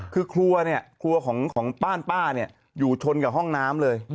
คือครัวของป้านป้าอยู่ชนกับห้องน้ำเลย